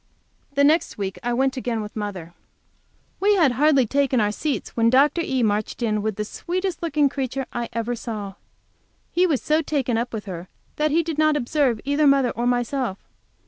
the next week I went again, with mother. We had hardly taken our seats when Dr. E. marched in with the sweetest looking little creature I ever saw. He was so taken up with her that he did not observe either mother or myself.